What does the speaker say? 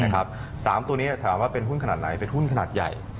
๓ตัวนี้ถามว่าเป็นหุ้นขนาดไหนเป็นหุ้นขนาดใหญ่